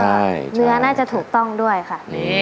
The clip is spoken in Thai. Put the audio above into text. ใช่เนื้อน่าจะถูกต้องด้วยค่ะ